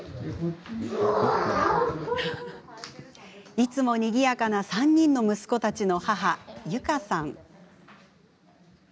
いつもにぎやかな３人の息子たちの母・ゆかさん。